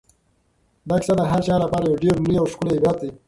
دا کیسه د هر چا لپاره یو ډېر لوی او ښکلی عبرت دی.